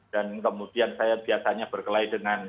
dan kemudian saya biasanya berkelahi dengan